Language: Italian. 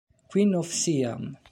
Queen of Siam